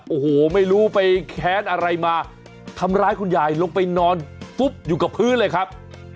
โอ้โหไม่รู้ไปแค้นอะไรมาทำร้ายคุณยายลงไปนอนปุ๊บอยู่กับพื้นเลยครับ